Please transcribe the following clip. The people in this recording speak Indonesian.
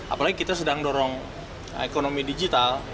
apalagi kita sedang dorong ekonomi digital